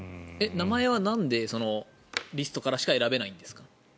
名前はなんでリストからしか選べないんですか？